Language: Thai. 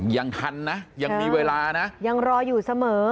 ยังทันนะยังมีเวลานะยังรออยู่เสมอ